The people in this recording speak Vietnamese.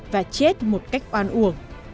và chết một cách oan uổng